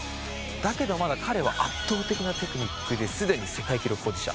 だけど彼は圧倒的なテクニックですでに世界記録保持者。